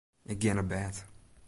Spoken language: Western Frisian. Ik gean op bêd.